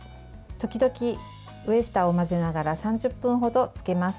時々、上下を混ぜながら３０分ほど漬けます。